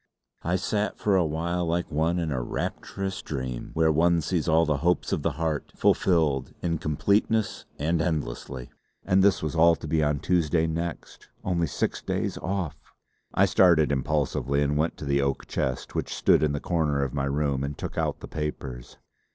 I sat for a while like one in a rapturous dream, where one sees all the hopes of the heart fulfilled in completeness and endlessly. And this was all to be on Tuesday next Only six days off!... I started impulsively and went to the oak chest which stood in the corner of my room and took out the papers.